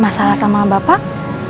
masalah sama bapak